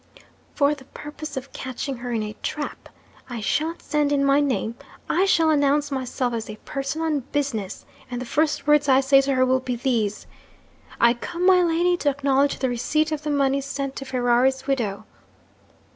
'For the purpose of catching her in a trap! I shan't send in my name I shall announce myself as a person on business, and the first words I say to her will be these: "I come, my lady, to acknowledge the receipt of the money sent to Ferrari's widow."